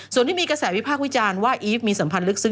ส่วนที่มีกระแสวิพากษ์วิจารณ์ว่าอีฟมีสัมพันธ์ลึกซึ้